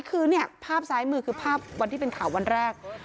คือเนี่ยภาพซ้ายมือคือภาพวันที่เป็นข่าววันแรก